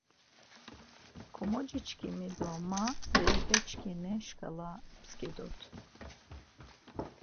Kimociçkimi do ma berepeçkini şǩala pskidurt.